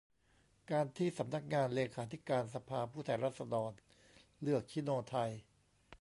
การที่สำนักงานเลขาธิการสภาผู้แทนราษฎร เลือก ชิโนไทย